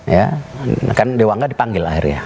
ya kan dewangga dipanggil akhirnya